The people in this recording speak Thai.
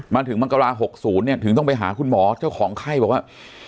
มาถึงมังกรา๖๐เนี่ยถึงต้องไปหาคุณหมอเจ้าของไข้บอกว่า